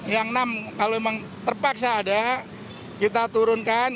yang enam kalau memang terpaksa ada kita turunkan